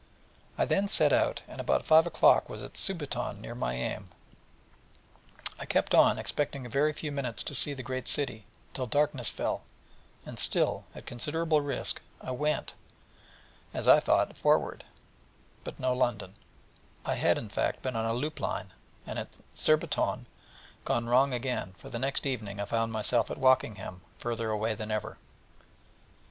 I then set out, and about five o'clock was at Surbiton, near my aim; I kept on, expecting every few minutes to see the great city, till darkness fell, and still, at considerable risk, I went, as I thought, forward: but no London was there. I had, in fact, been on a loop line, and at Surbiton gone wrong again; for the next evening I found myself at Wokingham, farther away than ever.